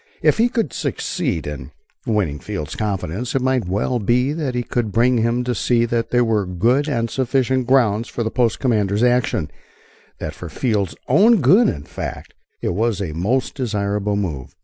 If he could succeed in winning Field's confidence it might well be that he could bring him to see that there were good and sufficient grounds for the post commander's action that for Field's own good, in fact, it was a most desirable move.